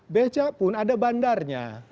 beca pun ada bandarnya